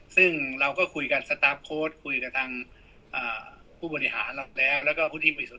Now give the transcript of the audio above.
ซึ่งเราก็คุยกันคุยกันทางอ่าผู้บริหารแล้วแล้วก็พูดที่มีส่วน